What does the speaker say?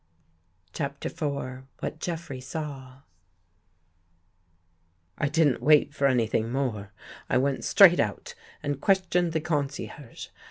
CHAPTER IV WHAT JEFFREY SAW I DIDN'T wait for anything more. I went straight out and questioned the concierge.